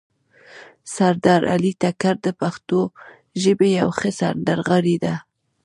سردار علي ټکر د پښتو ژبې یو ښه سندرغاړی ده